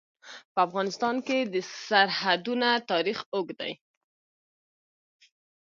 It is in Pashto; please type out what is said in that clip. په افغانستان کې د سرحدونه تاریخ اوږد دی.